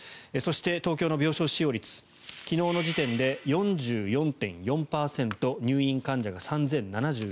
そして東京の病床使用率昨日の時点で４４．４％入院患者が３０７１人。